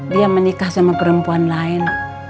dia menikah sama perempuan lain